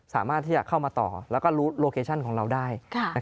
สามารถที่จะเข้ามาต่อแล้วก็รู้โลเคชั่นของเราได้